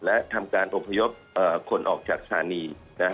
และทำการอบพยพคนออกจากสถานี